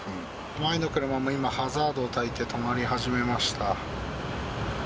前の車も今、ハザードをたいて止まり始めました。